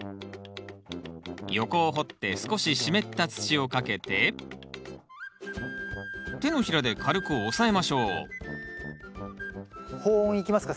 横を掘って少し湿った土をかけて手のひらで軽く押さえましょう保温いきますか？